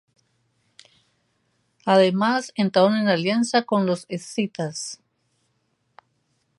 Además, entraron en alianza con los escitas.